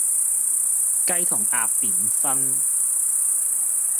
雞同鴨點分